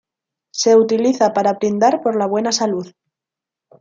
Se utiliza para brindar por la buena salud.